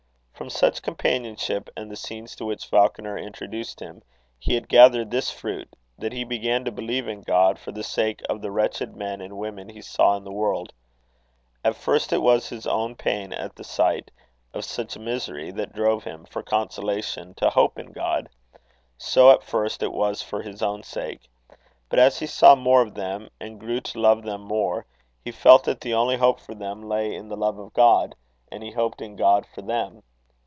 From such companionship and the scenes to which Falconer introduced him, he had gathered this fruit, that he began to believe in God for the sake of the wretched men and women he saw in the world. At first it was his own pain at the sight of such misery that drove him, for consolation, to hope in God; so, at first, it was for his own sake. But as he saw more of them, and grew to love them more, he felt that the only hope for them lay in the love of God; and he hoped in God for them.